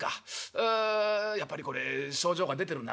ううやっぱりこれ症状が出てるな」。